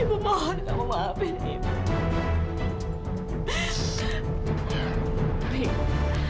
ibu maafkan ibu